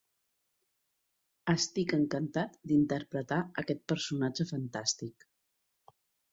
Estic encantat d'interpretar aquest personatge fantàstic.